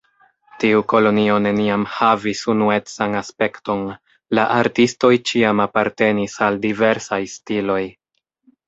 Tiu kolonio neniam havis unuecan aspekton, la artistoj ĉiam apartenis al diversaj stiloj.